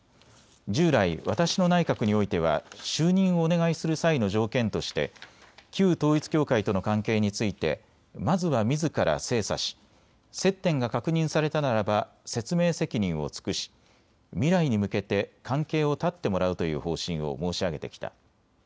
従来、私の内閣においては就任をお願いする際の条件として旧統一教会との関係についてまずはみずから精査し接点が確認されたならば説明責任を尽くし未来に向けて関係を断ってもらうという方針を申し上げてきた。